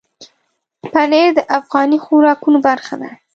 پنېر د افغاني خوراکونو برخه ده.